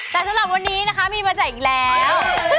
แต่สำหรับวันนี้นะคะมีมาแจกอีกแล้ว